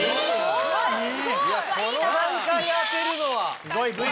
すごい！